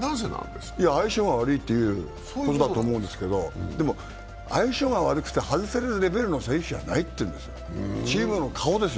相性が悪いということだと思うんですけどでも、相性が悪くて外されるレベルの選手じゃない、チームの顔ですよ。